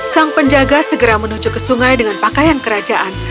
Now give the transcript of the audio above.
sang penjaga segera menuju ke sungai dengan pakaian kerajaan